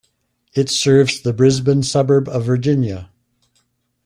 It serves the Brisbane suburb of Virginia.